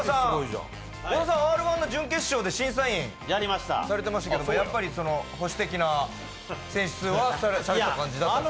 小田さん「Ｒ−１」準決勝で審査員されてましたけどやっぱり保守的な選出はされた感じだったんですか？